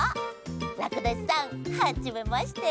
らくだしさんはじめまして。